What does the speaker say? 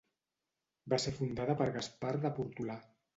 Va ser fundada per Gaspar de Portolà.